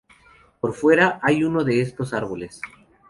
Por fuera, hay uno de estos árboles.